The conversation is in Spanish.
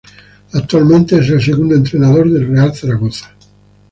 Actualmente es el segundo entrenador del Real Zaragoza.